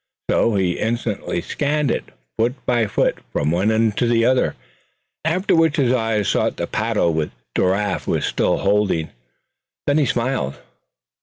So he instantly scanned it, foot by foot, from one end to the other; after which his eyes sought the paddle which Giraffe was still handling. Then he smiled.